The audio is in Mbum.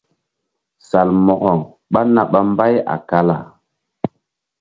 Salmo̧ko ɓá na ɓa mbay a kala.